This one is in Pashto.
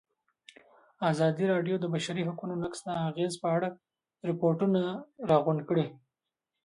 ازادي راډیو د د بشري حقونو نقض د اغېزو په اړه ریپوټونه راغونډ کړي.